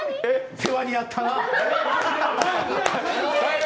世話になったな。